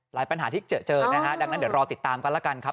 ปัญหาที่เจอเจอนะฮะดังนั้นเดี๋ยวรอติดตามกันแล้วกันครับ